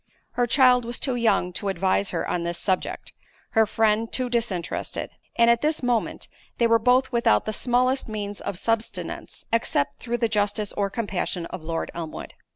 Her child was too young to advise her on this subject, her friend too disinterested; and at this moment they were both without the smallest means of subsistence, except through the justice or compassion of Lord Elmwood.